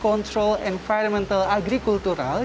dengan teknologi kontrol agrikultural